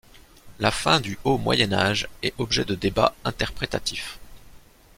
La fin du Haut Moyen Âge est objet de débats interprétatifs.